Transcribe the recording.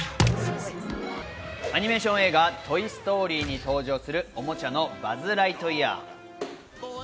アニメーション映画『トイ・ストーリー』に登場するおもちゃのバズ・ライトイヤー。